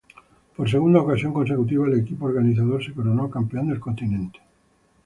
Por segunda ocasión consecutiva, el equipo organizador, se coronó campeón del continente.